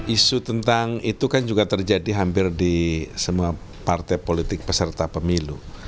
isu tentang itu kan juga terjadi hampir di semua partai politik peserta pemilu